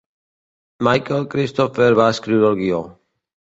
Michael Cristofer va escriure el guió.